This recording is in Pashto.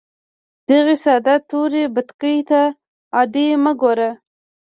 دغې ساده تورې بتکې ته عادي مه ګوره